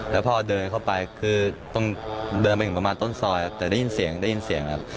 แล้วพอเดินเข้าไปคือตรงเดินไปถึงประมาณต้นซอยแต่ได้ยินเสียงได้ยินเสียงครับ